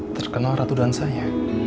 terkenal ratu dansanya